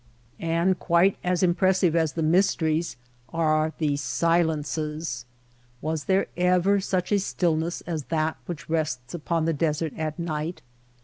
And quite as impressive as the mysteries are the silences. Was there ever such a stillness as that which rests upon the desert at night